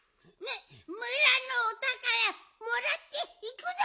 むむらのおたからもらっていくぞ。